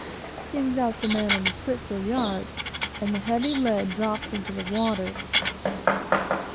sings out the man on the spritsail yard, and the heavy lead drops into the water.